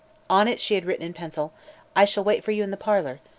On it she had written in pencil: "I shall wait for you in the parlor.